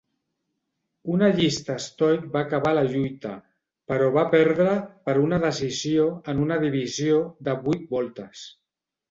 Una llista estoic va acabar la lluita, però va perdre per una decisió en una divisió de vuit voltes.